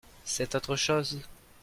Cette autre chose.